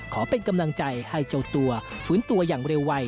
ขอเป็นกำลังใจให้เจ้าตัวฟื้นตัวอย่างเร็วไว